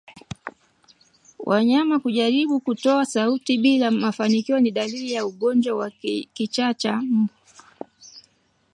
Mnyama kujaribu kutoa sauti bila mafanikio ni dalili ya ugonjwa wa kichaa cha mbwa